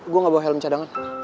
gue gak bawa helm cadangan